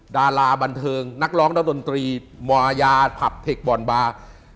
ดาราบันเทิงนักร้องนักดนตรีมรยาผับเทคบ่อนบาร์